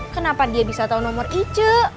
kenapa dia bisa tau nomor icu